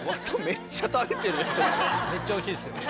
めっちゃおいしいですよ。